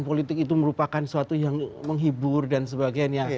politik itu merupakan suatu yang menghibur dan sebagainya